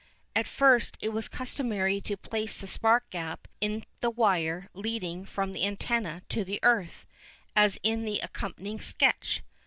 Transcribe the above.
At first it was customary to place the spark gap in the wire leading from the antenna to the earth, as in the accompanying sketch.